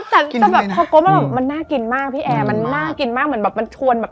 แต่พอกลับมามันน่ากินมากพี่แอร์มันน่ากินมากเหมือนมันชวน